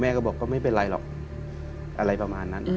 ก็บอกว่าไม่เป็นไรหรอกอะไรประมาณนั้น